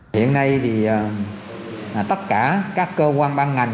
hiện nay tất cả các cơ quan ban ngành